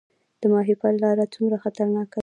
د ماهیپر لاره څومره خطرناکه ده؟